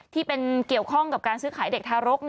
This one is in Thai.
ที่เป็นเกี่ยวข้องกับการซื้อขายเด็กทารก